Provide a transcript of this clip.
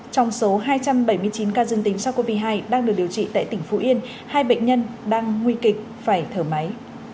trong số hai trăm bảy mươi chín ca dương tính sars cov hai đang được điều trị tại tỉnh phú yên hai bệnh nhân đang nguy kịch phải thở máy